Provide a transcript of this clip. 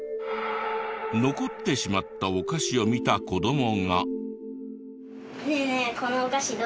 残ってしまったお菓子を見た子どもが。ねえねえ。